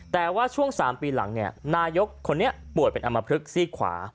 แต่ว่าช่วง๓ปีหลังนายกคนนี้ป่วยเป็นอำมพลึกซี่ขวา